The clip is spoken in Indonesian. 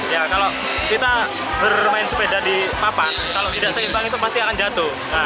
ya kalau kita bermain sepeda di papan kalau tidak seimbang itu pasti akan jatuh